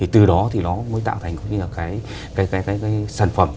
thành cái sản phẩm